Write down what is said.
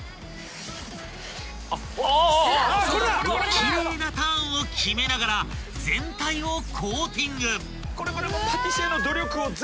［奇麗なターンを決めながら全体をコーティング］